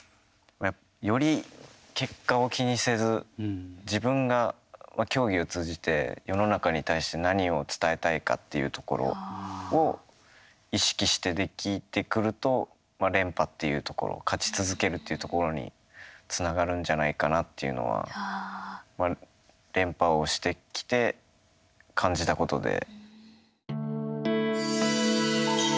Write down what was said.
より結果を気にせず自分が競技を通じて世の中に対して何を伝えたいかっていうところを意識してできてくると、連覇っていうところ勝ち続けるっていうところにつながるんじゃないかなっていうのは連覇をしてきて感じたことで。